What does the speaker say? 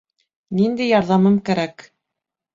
Ниндәй ярҙамым кәрәк?